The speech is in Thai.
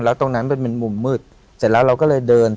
แล้วตรงนั้นเป็นมุมมืด